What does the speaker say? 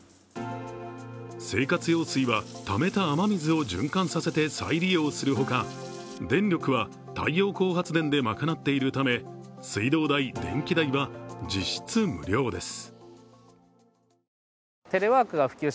生活用水は、ためた雨水を循環させて再利用するほか、電力は太陽光発電で賄っているため、水道代・電気代は実質無料です。